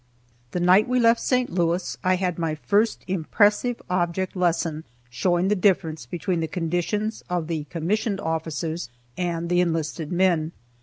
The night we left St. Louis I had my first impressive object lesson showing the difference between the conditions of the commissioned officers and the enlisted men.